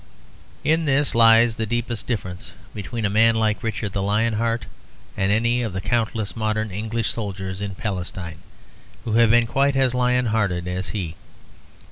In this lies the deepest difference between a man like Richard the Lion Heart and any of the countless modern English soldiers in Palestine who have been quite as lion hearted as he.